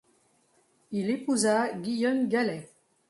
Il épousa Guionne Gallet.